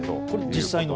実際の？